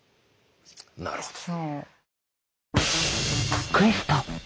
なるほど。